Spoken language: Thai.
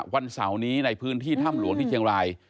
วันเสาร์นี้ในพื้นที่ถ้ำหลวงที่เชียงราย